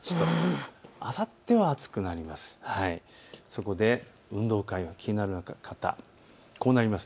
そこで運動会が気になる方、こうなります。